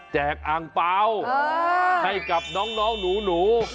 อ่างเปล่าให้กับน้องหนู